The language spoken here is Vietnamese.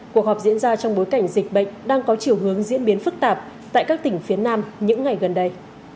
cuộc họp diễn ra trong bối cảnh dịch bệnh đang có chiều hướng diễn biến phức tạp tại các tỉnh phía nam những ngày gần đây